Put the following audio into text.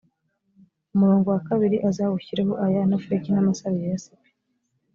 umurongo wa kabiri uzawushyireho aya nofeki n’ amasaro ya yasipi